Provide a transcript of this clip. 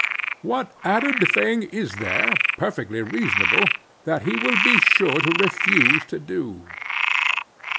What added thing is there, perfectly reasonable, that he will be sure to refuse to do?